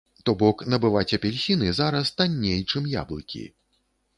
То бок набываць апельсіны зараз танней, чым яблыкі.